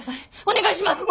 お願いします！